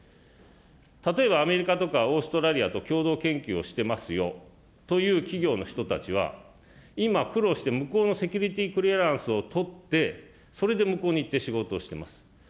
例えばアメリカとかオーストラリアと共同研究をしてますよという企業の人たちは、今苦労して、向こうのセキュリティクリアランスを取って、それで向こうに行って仕事をしています。